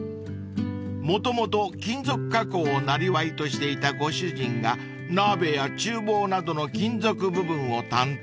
［もともと金属加工をなりわいとしていたご主人が鍋や厨房などの金属部分を担当］